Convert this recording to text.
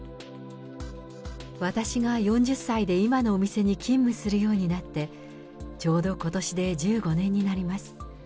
私が４０歳で今のお店に勤務するようになって、ちょうどことしで１５年になります。